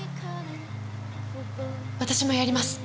私もやります。